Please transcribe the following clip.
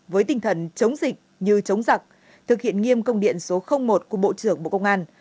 với tinh thần chống dịch như chống giặc thực hiện nghiêm công điện số một của bộ trưởng bộ công an